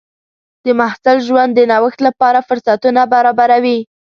د محصل ژوند د نوښت لپاره فرصتونه برابروي.